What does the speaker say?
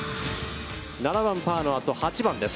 ７番、パーのあと、８番です。